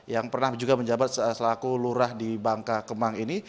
yang pernah juga menjabat selaku lurah di bangka kemang ini